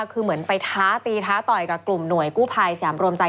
คือเหมือนไปท้าตีท้าต่อยกับกลุ่มหน่วยกู้ภัยสยามรวมใจ